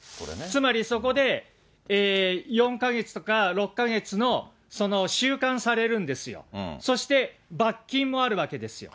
つまり、そこで、４か月とか６か月の、収監されるんですよ、そして、罰金もあるわけですよ。